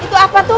itu apa tuh